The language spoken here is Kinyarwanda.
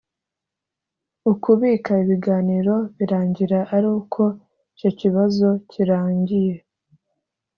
ukubika ibiganiro birangira ari uko icyo kibazo cyirangiye